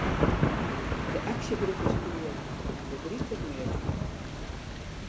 De aksjegroep is poer en begrypt der neat fan.